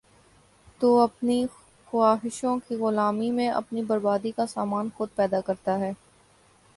تو اپنی خواہشوں کی غلامی میں اپنی بربادی کا سامان خود پیدا کرتا ہے ۔